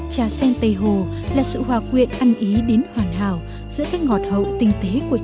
trà sen tây hồ là sự hòa quyện ăn ý đến hoàn hảo giữa các ngọt hậu tinh tế của chúng